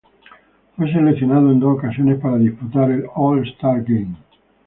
Fue seleccionado en dos ocasiones para disputar el All-Star Game.